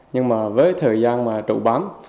nhưng mà với thời gian trụ bám